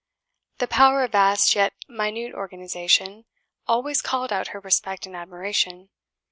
The power of vast yet minute organisation, always called out her respect and admiration.